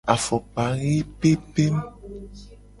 Afokpa he pempem.